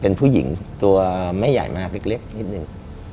เป็นผู้หญิงตัวไม่ใหญ่มากเล็กนิดนึง